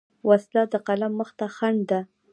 وسله د قلم مخ ته خنډ ده